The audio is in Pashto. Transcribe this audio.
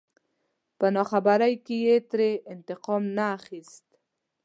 په ناخبرۍ کې يې ترې انتقام نه اخست.